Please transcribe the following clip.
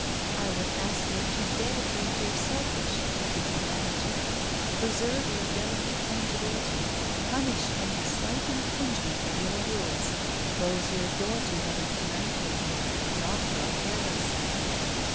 I would ask you to dare to appear selfish, if you can manage it. Preserve your delicate tangibility, punish any slight infringments of your rules, close your door to him at nights when he has been naughty or careless.